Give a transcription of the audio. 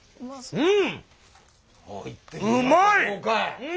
うん！